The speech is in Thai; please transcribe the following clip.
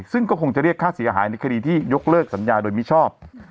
ซึ่งก็คงจะเรียกค่าเสียหายในคดีที่ยกเลิกสัญญาโดยมิชอบ